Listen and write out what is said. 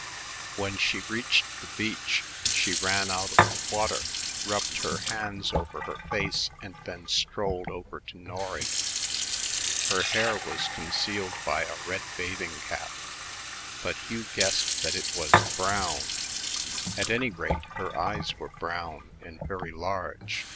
When she reached the beach, she ran out of the water, rubbed her hands over her face, and then strolled over to Norry. Her hair was concealed by a red bathing cap, but Hugh guessed that it was brown; at any rate, her eyes were brown and very large.